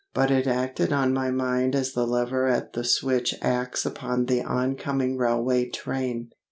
But it acted on my mind as the lever at the switch acts upon the oncoming railway train.